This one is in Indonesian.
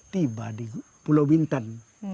tiba di pulau bintan